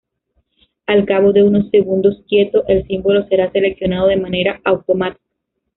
Al cabo de unos segundos quieto, el símbolo será seleccionado de manera automática.